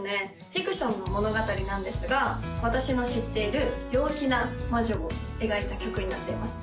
フィクションの物語なんですが私の知っている陽気なまじょを描いた曲になっています